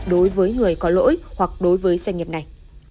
đối với người có lỗi hoặc đối với doanh nghiệp này